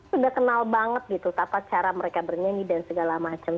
sudah kenal banget gitu tata cara mereka bernyanyi dan segala macam